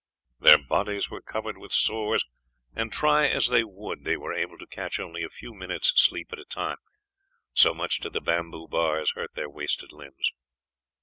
Their bodies were covered with sores, and try as they would they were able to catch only a few minutes' sleep at a time so much did the bamboo bars hurt their wasted limbs.